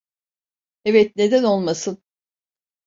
Evet, neden olmasın?